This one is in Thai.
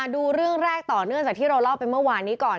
ดูเรื่องแรกต่อเนื่องจากที่เราเล่าไปเมื่อวานนี้ก่อน